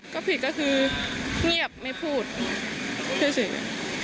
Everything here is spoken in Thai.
ก็ผิดก็คือเงียบไม่พูดใช่ไหม